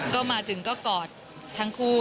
ก็มาถึงก็กอดทั้งคู่